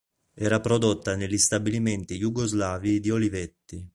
Era prodotta negli stabilimenti jugoslavi di Olivetti.